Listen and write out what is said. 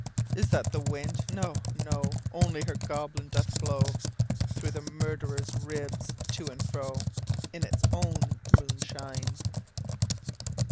Is that the wind ? No, no ; Only her goblin doth blow Through the murderer's ribs to and fro, In its own moonshine.